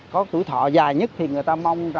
có tuổi thọ dài nhất thì người ta mong